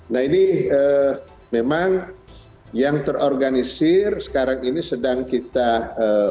nah ini memang yang terorganisir sekarang ini sedang kita lakukan